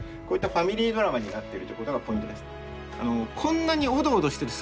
こういったファミリードラマになってるということがポイントです。